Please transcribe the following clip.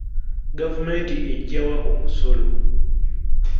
Gavumenti ejjawa omusolo?